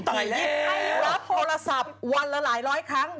ไทยรัฐโทรศัพท์วันละหลายร้อยครั้ง